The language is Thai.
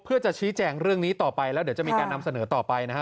เพื่อจะชี้แจงเรื่องนี้ต่อไปแล้วเดี๋ยวจะมีการนำเสนอต่อไปนะฮะ